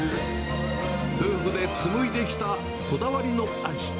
夫婦で紡いできたこだわりの味。